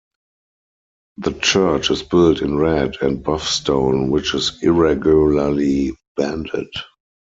The church is built in red and buff stone, which is irregularly banded.